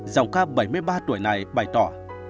giọng ca bảy mươi ba tuổi này bày tỏ